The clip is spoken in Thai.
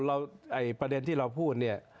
คือประเด็นที่เราพูด